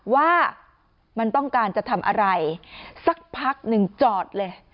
ว่ามันต้องการจะทำอะไรสักพักหนึ่งจอดเลย